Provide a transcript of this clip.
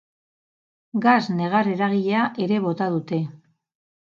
Gas negar-eragilea ere bota dute.